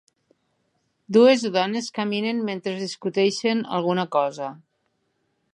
Dues dones caminen mentre discuteixen alguna cosa.